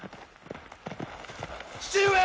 父上！